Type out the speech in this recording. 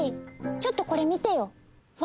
ちょっとこれ見てよ。